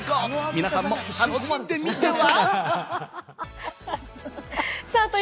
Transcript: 皆さんも楽しんでみては？